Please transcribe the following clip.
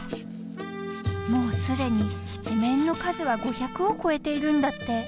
もう既にお面の数は５００を超えているんだって。